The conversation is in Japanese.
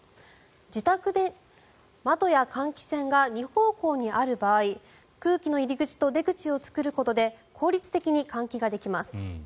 自宅で窓や換気扇が２方向にある場合空気の入り口と出口を作ることで効率的に換気ができます。